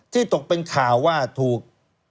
ตกเป็นข่าวว่าถูก